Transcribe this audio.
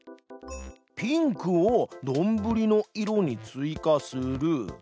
「ピンクをどんぶりの色に追加する」。